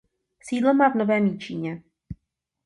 Sídlo má v Novém Jičíně.